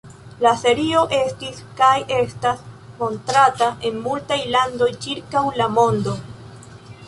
La serio estis kaj estas montrata en multaj landoj ĉirkaŭ la mondo.